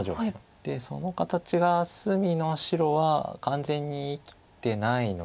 でその形が隅の白は完全に生きてないので。